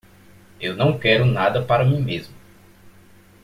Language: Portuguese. Eu não quero nada para mim mesmo.